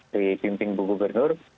di pimpin bu gubernur